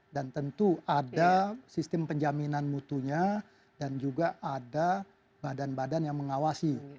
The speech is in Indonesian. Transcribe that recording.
dan tentu ada sistem penjaminan mutunya dan juga ada badan badan yang mengawasi